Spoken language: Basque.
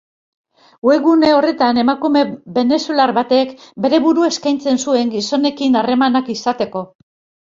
Webgune horretan, emakume venezuelar batek bere burua eskaintzen zuen gizonekin harremanak izateko.